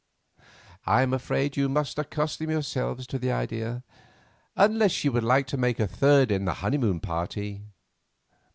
I am afraid you must accustom yourself to the idea, unless she would like to make a third in the honeymoon party.